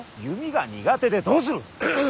弓が苦手でどうする。